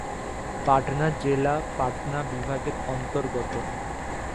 পাটনা জেলা পাটনা বিভাগের অন্তর্গত।